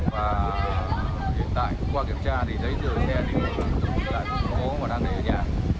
và hiện tại cũng qua kiểm tra thì giấy giấy xe thì cũng không có mà đang để ở nhà